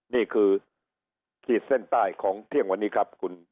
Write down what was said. นี่คือขีดเส้นใต้ของเที่ยงวันนี้ครับคุณ